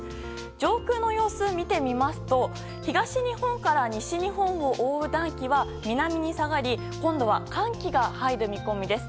上空の様子を見てみますと東日本から西日本を覆う暖気は南に下がり今度は寒気が入る見込みです。